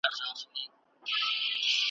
د شعر مانا له شاعر سره وي ,